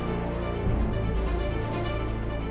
masa masa ini udah berubah